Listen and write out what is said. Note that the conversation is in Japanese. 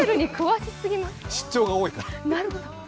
出張が多いから。